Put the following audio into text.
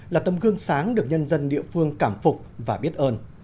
là tấm gương sáng được nhân dân địa phương cảm phục và biết ơn